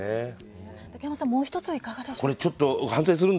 竹山さん、もう１ついかがでしょうか。